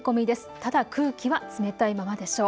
ただ空気は冷たいままでしょう。